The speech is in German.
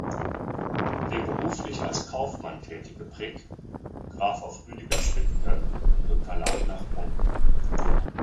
Der beruflich als Kaufmann tätige Prick traf auf Rüdiger Schmidtke und unterlag nach Punkten.